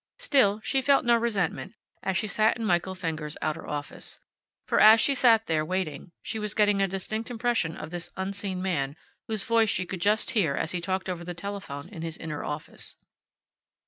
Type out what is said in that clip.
Still, she felt no resentment as she sat in Michael Fenger's outer office. For as she sat there, waiting, she was getting a distinct impression of this unseen man whose voice she could just hear as he talked over the telephone in his inner office.